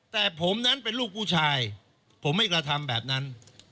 แต่ผมนั้นเป็นลูกผู้ชายผมไม่กระทำแบบนั้น